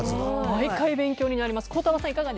毎回勉強になります。